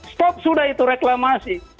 stop sudah itu reklamasi